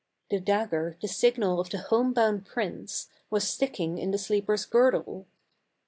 The dagger, the signal of the home bound prince, was sticking in the sleeper's girdle.